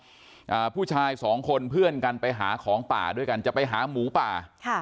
ท่านผู้ชมครับผู้ชายสองคนเพื่อนกันไปหาของป่าด้วยกันจะไปหาหมูป่า